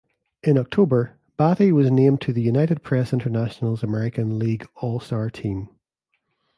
In October, Battey was named to the United Press International's American League All-Star team.